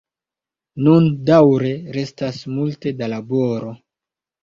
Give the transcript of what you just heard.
Nun daŭre restas multe da laboro.